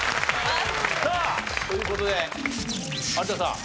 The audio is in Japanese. さあという事で有田さん